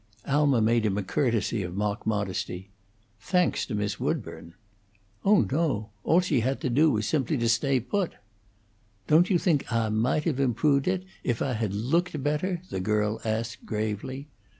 Alma made him a courtesy of mock modesty. "Thanks to Miss Woodburn!" "Oh no! All she had to do was simply to stay put." "Don't you think Ah might have improved it if Ah had looked better?" the girl asked, gravely.